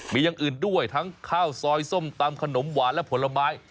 มีอย่างอื่นด้วยทั้งข้าวซอยส้มตำขนมหวานและผลไม้